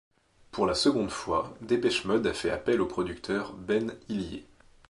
Pour la seconde fois, Depeche Mode a fait appel au producteur Ben Hillier.